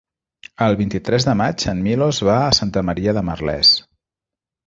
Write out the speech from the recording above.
El vint-i-tres de maig en Milos va a Santa Maria de Merlès.